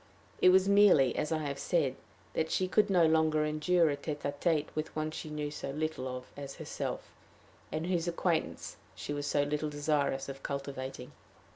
It was merely, as I have said, that she could no longer endure a tete a tete with one she knew so little as herself, and whose acquaintance she was so little desirous of cultivating.